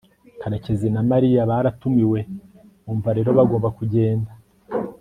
karekezi na mariya baratumiwe, bumva rero bagomba kugenda